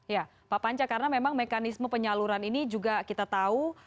ya pak panca karena memang mekanisme penyaluran ini juga kita tahu